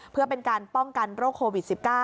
เพื่อเป็นการป้องกันโรคโควิด๑๙